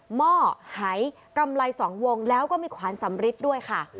หม้อหายกำไร๒วงแล้วก็มีขวานสำริดด้วยค่ะ